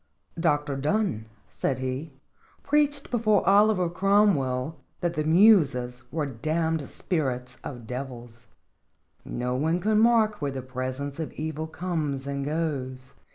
" Doctor Donne/' said he, " preached be fore Oliver Cromwell that the Muses were damned spirits of devils. No one can mark where the presence of evil comes and goes.